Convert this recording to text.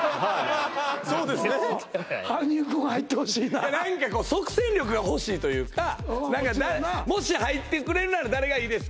そうですね羽生君は入ってほしいな何かこう即戦力が欲しいというかもし入ってくれるなら誰がいいですか？